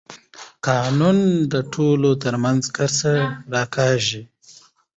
قانون د ټولو ترمنځ کرښه راکاږي